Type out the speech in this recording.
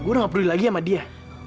gue gak peduli lagi sama dia